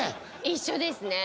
一緒ですね。